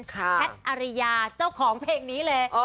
แพทย์อริยาเจ้าของเพลงนี้เลย